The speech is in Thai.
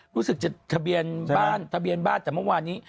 รู้สึกจะทะเบียนบ้านแต่เมื่อวานนี้